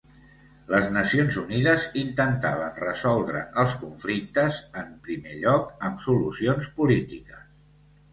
Les Nacions Unides intentaven resoldre els conflictes, en primer lloc, amb solucions polítiques.